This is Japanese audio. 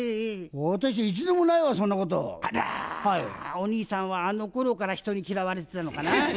お兄さんはあのころから人に嫌われてたのかな。